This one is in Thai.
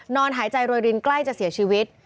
นอนหายใจโรยรินใกล้จะเสียชีวิต